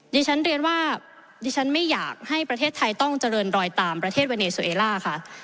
เรียนว่าดิฉันไม่อยากให้ประเทศไทยต้องเจริญรอยตามประเทศเวเนโซเอล่าค่ะ